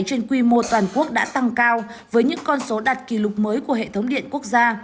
trên quy mô toàn quốc đã tăng cao với những con số đặt kỷ lục mới của hệ thống điện quốc gia